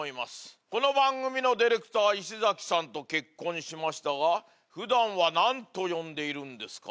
この番組のディレクター石さんと結婚しましたが普段は何と呼んでいるんですか？